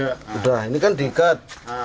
udah ini kan digat